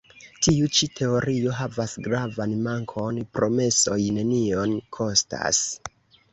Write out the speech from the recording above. Tiu ĉi teorio havas gravan mankon: promesoj nenion kostas.